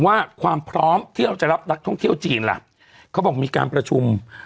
ว่าความพร้อมที่เราจะรับนักท่องเที่ยวจีนล่ะเขาบอกมีการประชุม